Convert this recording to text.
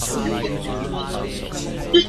Rili cu a kau ngai ngai.